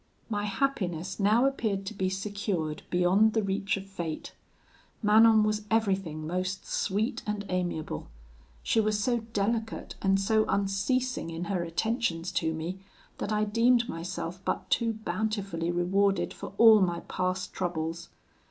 "My happiness now appeared to be secured beyond the reach of fate. Manon was everything most sweet and amiable. She was so delicate and so unceasing in her attentions to me, that I deemed myself but too bountifully rewarded for all my past troubles.